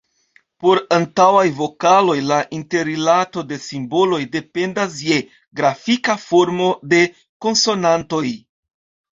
Por antaŭaj vokaloj la interrilato de simboloj dependas je grafika formo de konsonantoj.